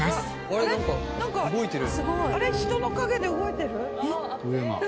あれ人の影で動いてる？